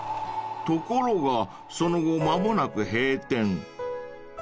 ［ところがその後間もなく］